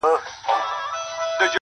• سوداګر ویل دا څه اپلاتي وایې؟ -